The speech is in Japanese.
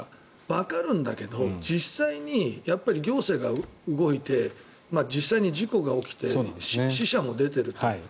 わかるんだけど実際に行政が動いて実際に事故が起きて死者も出ていると。